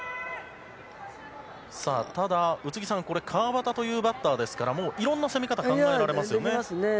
ただ宇津木さん、川畑というバッターですからいろんな攻め方が考えられますね。